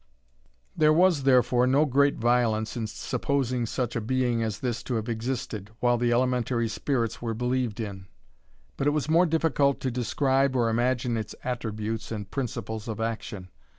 There was, therefore, no great violence in supposing such a being as this to have existed, while the elementary spirits were believed in; but it was more difficult to describe or imagine its attributes and principles of action.